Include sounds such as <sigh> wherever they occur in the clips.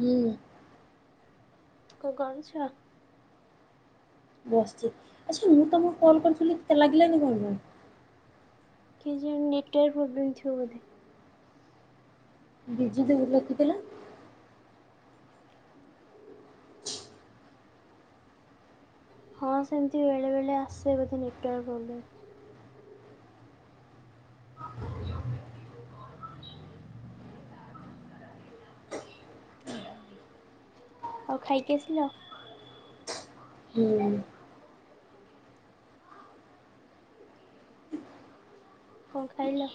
ହୁଁ। କଣ ଗଣୁଛ? ବସିଛି ଆଚ୍ଛା ମୁଁ ତମକୁ କଲ୍ କରିଥିଲି କେତେ ଲାଗିଲାନି କଣ ପାଇଁ? କି ଯେଉଁ ନେଟୱାର୍କ ପ୍ରୋବ୍ଲେମ୍ ଥୀବ ବୋଧେ। ବିଜୁ ଦୂରରୁ ରଖିଥିଲା। ହଁ ସେମିତି ବେଳେବେଳେ ଆସେ ବୋଧେ ନେଟୱାର୍କ ପ୍ରୋବ୍ଲେମ୍। ଆଉ ଖାଇକି ଆସିଲ? ହୁଁ। କଣ ଖାଇଲ?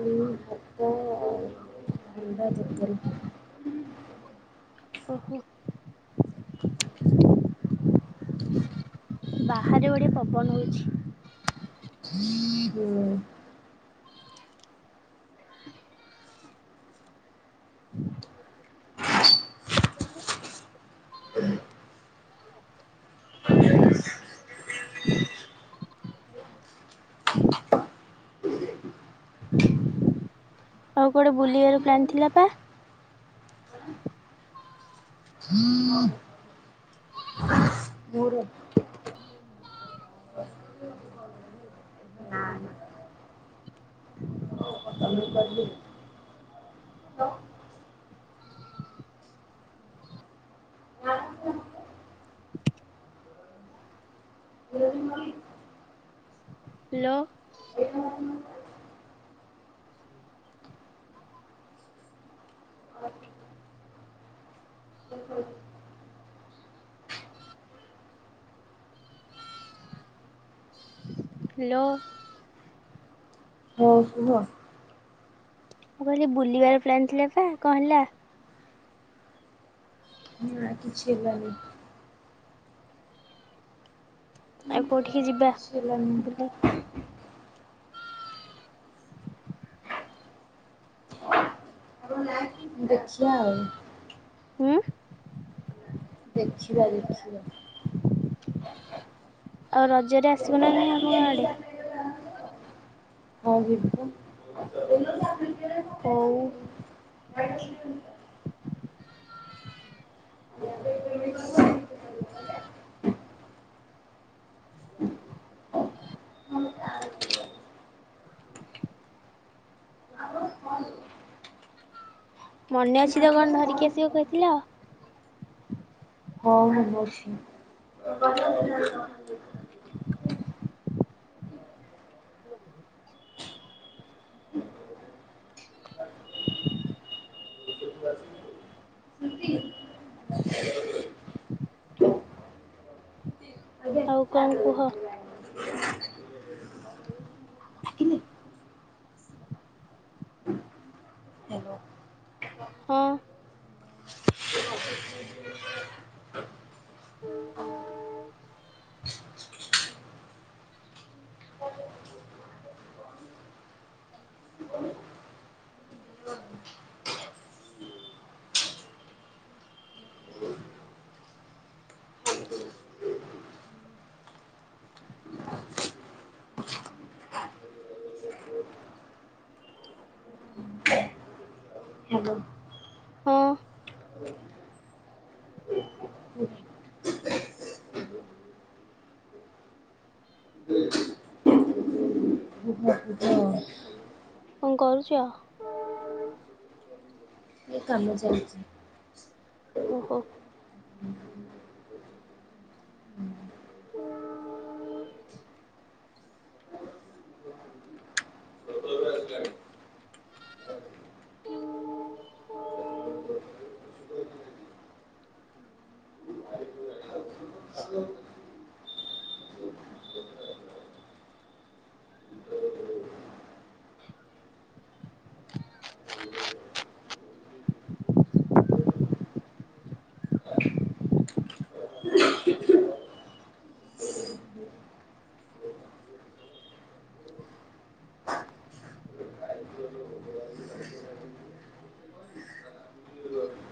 ଉଁ ଭାତ ଚିତରେ <unintelligible> ଓହୋ। ବାହାରେ ବଡ଼ିଆ ପବନ ହଉଚି। ହୁଁ। ହ <unintelligible> <inaudible> ଆଉ କୁଆଡେ ବୁଲିବା ର ପ୍ରାଣ ଥିଲା ପା? ହ <inaudible> ହଁ <inaudible> ମୁଁ କରିଲି। <unintelligible> <inaudible> ବ ନ <inaudible> ହ୍ୟାଲୋ। ଏଠ <inaudible> ହୁଁ <inaudible> ହ <inaudible> ହ <inaudible> ହ <inaudible> ହ୍ୟାଲୋ। ହଁ କୁହ। ମୁଁ କହିଲି ବୁଲିବାର ପ୍ଲନ୍ ଥିଲା ପା କଣ ହେଲା? ନା କିିଛିି ପ୍ଳାନିଙ୍ଗୀ ଆଉ କୋଉଠିକି ଯିବା କିଛି ହେଲାନି ବୁଲି? ଆଉ ଲାଷ୍ଟ ଦେଖିିବା ଆଉ। ହୁଁ। ଦେଖିବା ରିଖିିବା। ଆଉ ରଜରେ ଆସିବ ନା ନାହିଁ ଆମ ଗାଁଆଡେ? ହଁ ଯିବୁ। ହଉ। ଆ <inaudible> <inaudible> <inaudible> ଆ ଫଲ <inaudible> ମନେ ଅଛି ଯୋଉ କଣ ଧରିକି ଆସିବ କହିଥିଲେ? ହଁ ମାନେ ଅଛି। ହୁଁ <inaudible> ଆଉ କଣ କୁହ? ହଁ। <inaudible> ହୁଁ ହୁଁ <inaudible> ହ୍ୟାଲୋ। ହଁ। <inaudible> <inaudible> କଣ କରୁଛ? ଏ କାମ ଚାଇଛି। ଓହୋ।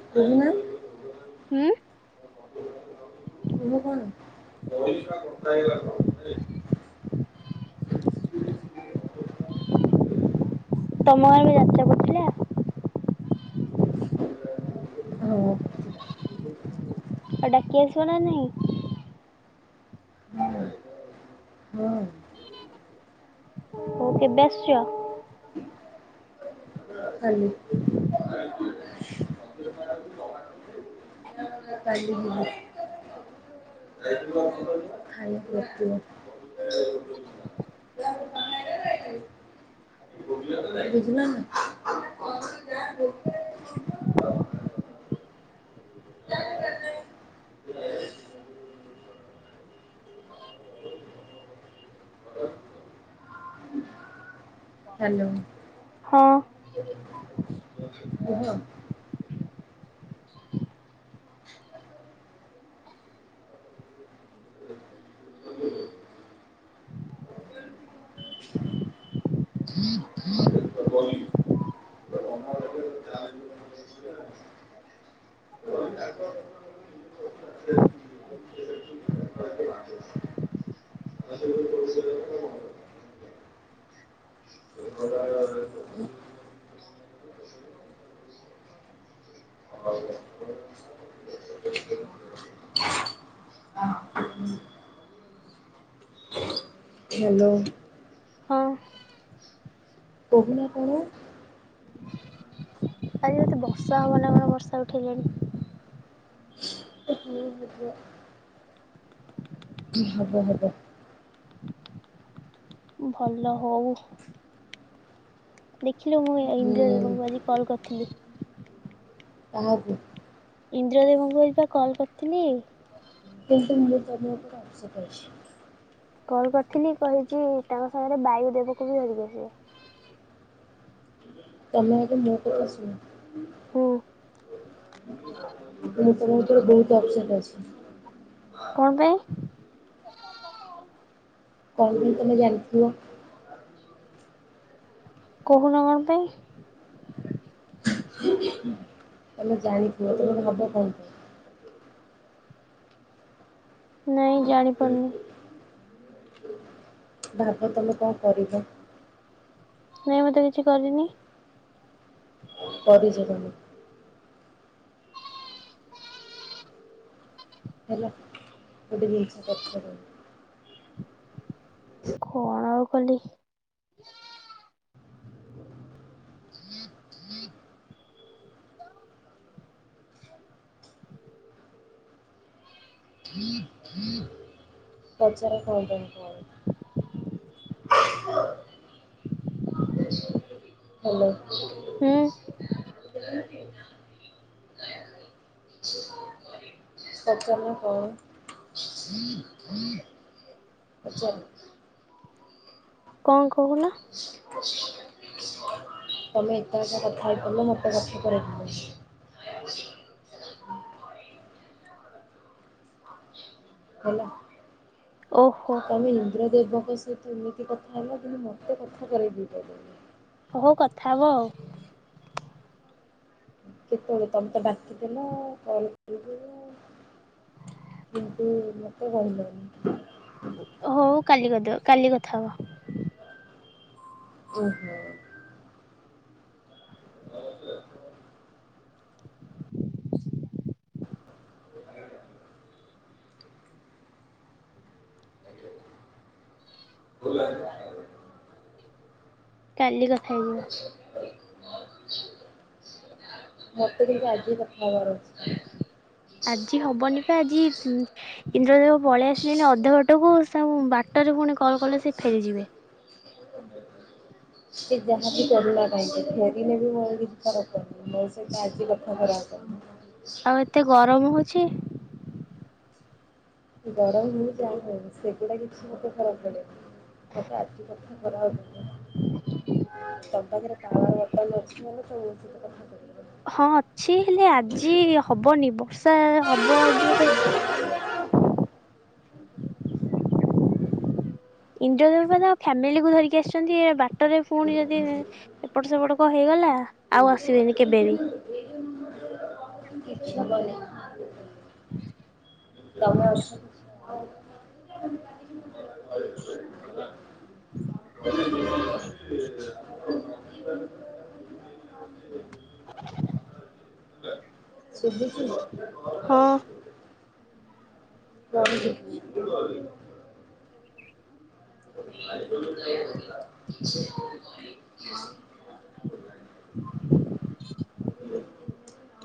<inaudible> ହୁଁ। କୁହ କଣ? <inaudible> ତମ ଆଡେ ଯାତ୍ରା ପଡିଥିଲା। ହଁ। ଆ ଡାକି ଆସିବ ନା ନାହିଁ। ହଁ ହଁ। ହୋଉ କେବେ ଆସୁଛ? କାଲି। <inaudible> <inaudible> <inaudible> <inaudible> <inaudible> ଶୁଭିଲା ନାଁ? ହ୍ୟାଲୋ। ହଁ। <inaudible> କୁହ? Hello hello. ହୋଉ। କହୁନା କଣ? ଆଜି ବୋଧେ ବର୍ଷା ହବ ନା କଣ ବର୍ଷା ଉଠେଇଲାଣି। <inaudible> ହବ ହବ। ଭଲ ହଉ। ଦେଖିଲୁ ମୁଁ ହୁଁ ଇନ୍ଦିରଦବଙ୍କୁ ଆଜି କଲ୍ କରିଥିଲି। କାହାକୁ? ଇନ୍ଦ୍ରଦେବଙ୍କୁ ହେଇ ପା କଲ୍ କରିଥିଲି। ସେଇ ଟାଇମ୍ ରେ କରିବା ପାଇଁ ପୁରା ଅପସେଟ୍ ଅଛି। କଲ୍ କରିଥିଲି କହିଚି ତାଙ୍କ ସାଙ୍ଗରେ ବାୟୁ ଦେବକୁ ବି ଧରିକି ଆସିବେ। ତମେ ଏବେ ମୋ ପରେ ଆସିବ। ହୁଁ। ଭିତରେ ଭିତରେ ବହୁତ୍ ଅପସେଟ୍ ଅଛି। କଣ ପାଇଁ? କଣ ପାଇଁ ତମେ ଜାଣିଥିବ। କହୁନ କଣ ପାଇଁ? ତମେ ଜାଣିଥିବ ତମେ ଭାବ କଣ। ନାଇଁ ପାଇଁ? ଜାଣିପାରୁନି। ଭାବ ତମେ କଣ କରିବ। ନାଇଁ ମୁଁ ତ କିଛି କରିନି। କରିଚ ତମେ। ହେଲା ଗୋଟେ ଜିନିଷ ଦରକାର କଣ ଆଉ କଲି। ପଛରେ କଲ୍ କରିକି କୁହ? ହ୍ୟାଲୋ ହୁଁ ପଚାରୁନ କଣ ପଚାର କଣ କହୁନ? ତମେ ଏକା ଏକା କଥା ହେଇପଡିଲ ମତେ କଥା କରେଇ ଦେଲନି। ହେଲା ଓହୋ ତମେ ଇନ୍ଦ୍ରଦେବଙ୍କ ସ ସେ ସେମିତି କଥା ହେଲା କିନ୍ତୁ ମତେ କଥା କରେଇ ଦେଇପାରିଲନି? ହଉ କଥା ହବ ଆଉ। କେତେବେଳେ ତମେ ତ ଡାକିଦେଲ କଲ କ କିନ୍ତୁ ମତେ କିହିଲନି। ହଉ କାଲି କରିଦେବ କାଲି କଥା ହବ। ଉଁ କାଲି କଥା ହେଇଯିବ। ମତେ କିନ୍ତୁ ଆଜି କଥା ହବାର ଅଛି। ଆଜି ହବନି ପା ଆଜି ଇନ୍ଦ୍ରଦେବ ପଳେଇ ଆସିଲେଣି ଅଧା ବାଟକୁ ତାଙ୍କୁ ବାଟରେ ପୁଣି କଲ୍ କଲେ ସେ ଫେରିଯିବେ। ସେ ଜାହାବି କରୁ ନା କାହିଁକି ଫେରିଲେ ବି ମୋର କିଛି ଫରକ ମୋ ସହିତ ଆଜି କଥା କରା ଆଗେ ଆଉ ଏତେ ଗରମ ହଉଛି। ଗରମ୍ ହଉ ଯାହା ହଉ ସେଗୁଡ଼ା କିଛି ମୋତେ ଫରକ୍ ପଡ଼େନି। ମୋତେ ଆଜିକଥା କରାହେଉଥିଲା। ତମ ପାଖରେ ପାୱାର ବର୍ତ୍ତମାନ ଅଛି ମାନେ ଶୁଣୁଥିବେ କଥା ଟିକେ ହଁ ଅଛି ହେଲେ ଆଜି ହବନି ବର୍ଷା ହବ ଅ ଇନ୍ଦ୍ରଦେବ ପା ତାଙ୍କ ଫ୍ୟାମିଲି କି ଧରିକି ଆସିଛନ୍ତି ବାଟରେ ପୁଣି ଯଦି ଏପଟ ସେପଟ କଣ ହେଇଗଲା ଆଉ ଆସିବେନି କେବେବି। କିଛି ହବନି। ତମେ ଅଛ <unintelligible> <unintelligible> <unintelligible> <unintelligible> ଶୁଭୁଛି ହଁ। <unintelligible> <unintelligible>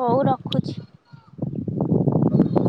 ହଉ ରଖୁଛି। <unintelligible>